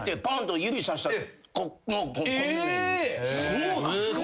そうなんすか。